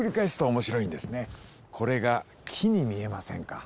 これが「木」に見えませんか。